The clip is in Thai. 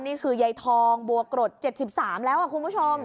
นี่คือยายทองบัวกรดเจ็ดสิบสามแล้วอะคุณผู้ชม